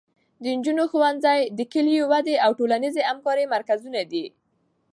د نجونو ښوونځي د کلیوالو ودې او ټولنیزې همکارۍ مرکزونه دي.